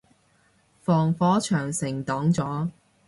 防火長城擋咗